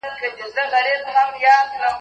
له زندانه تر آزادۍ `